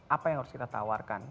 apa yang harus kita tawarkan